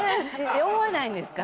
思わないんですか？